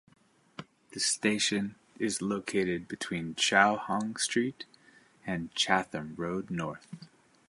The station is located between Chung Hau Street and Chatham Road North.